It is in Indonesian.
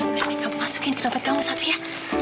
nih kamu masukin ke dompet kamu satu ya